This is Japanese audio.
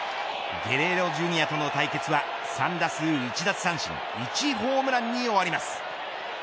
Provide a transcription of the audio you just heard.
ゲレーロＪｒ．との対決は３打数１奪三振１ホームランに終わります。